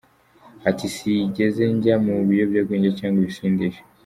Ati “Sigeze njya mu biyobyabwenge cyangwa ibisindisha.